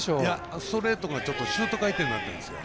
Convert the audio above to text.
ストレートがちょっとシュート回転になってるんですよ。